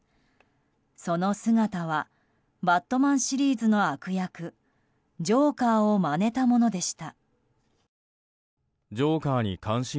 その姿は「バットマン」シリーズの悪役ジョーカーをまねたものでした。